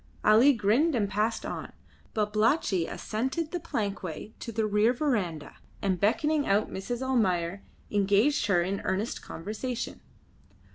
Ali grinned and passed on; Babalatchi ascended the plankway to the rear verandah, and beckoning out Mrs. Almayer, engaged her in earnest conversation.